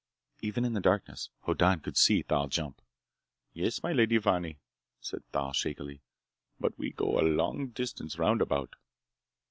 Even in the darkness, Hoddan could see Thal jump. "Yes, my Lady Fani," said Thal shakily. "But we go a long distance roundabout."